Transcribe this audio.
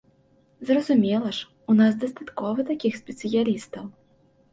Зразумела ж, у нас дастаткова такіх спецыялістаў.